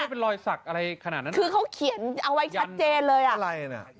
เป็นรอยสักอะไรขนาดนั้นคือเขาเขียนเอาไว้ชัดเจนเลยอ่ะอะไรน่ะ